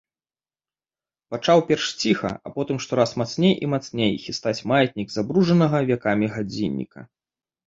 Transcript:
Пачаў перш ціха, а потым штораз мацней і мацней хістаць маятнік забруджанага вякамі гадзінніка.